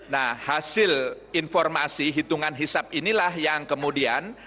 nah hasil informasi hitungan hisap inilah yang kemudian